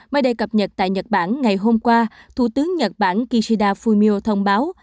mai đầy cập nhật tại nhật bản ngày hôm qua thủ tướng nhật bản kishida fumio thông báo